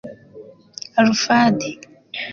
Alphadi